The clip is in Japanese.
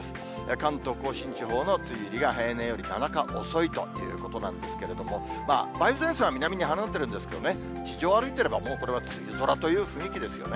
関東甲信地方の梅雨入りが平年より７日遅いということなんですけれども、梅雨前線は南に離れてるんですけどね、地上を歩いてれば、これはもう梅雨空という雰囲気ですよね。